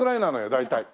大体。